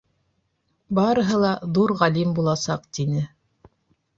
Барыһы ла ҙур ғалим буласаҡ, тине.